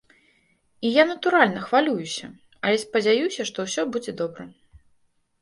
І я, натуральна, хвалююся, але спадзяюся, што ўсё будзе добра.